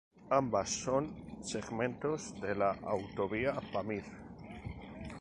Ambas son segmentos de la Autovía Pamir.